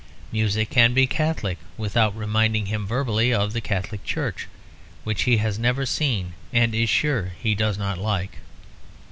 Music can be Catholic without reminding him verbally of the Catholic Church, which he has never seen, and is sure he does not like.